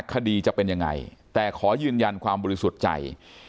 คดีจะเป็นยังไงแต่ขอยืนยันความบริสุทธิ์ใจ